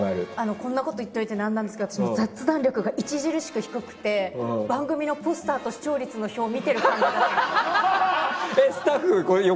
こんなこと言っておいてなんなんですか私も雑談力が著しく低くて番組のポスターと視聴率の表見てるだけなんです。